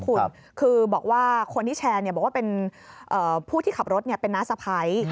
คุณคือบอกว่าคนที่แชร์บอกว่าเป็นผู้ที่ขับรถเป็นน้าสะพ้าย